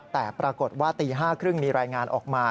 แต่ปรากฏว่าตี๕๓๐มีรายงานออกมา